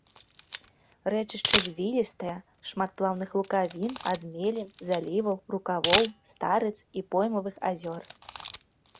Рэчышча звілістае, шмат плаўных лукавін, адмелін, заліваў, рукавоў, старыц і поймавых азёр.